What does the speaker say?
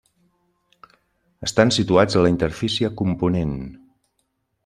Estan situats a la interfície Component.